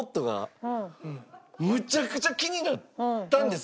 むちゃくちゃ気になったんですけど